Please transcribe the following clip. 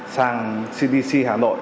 sang cdc hà nội